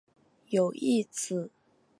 有一子。